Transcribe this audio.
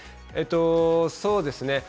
そうですね。